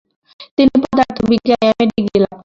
তিনি পদার্থবিদ্যায় MA degree লাভ করেন।